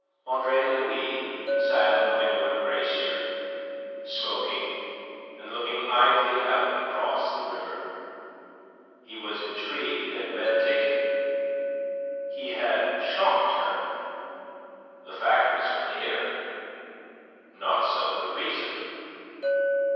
Andre Louis sat in the window embrasure, smoking and looking idly out across the river. He was intrigued and meditative. He had shocked her. The fact was clear; not so the reason.